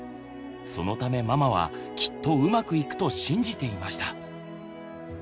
そのためママはきっとうまくいくと信じていました。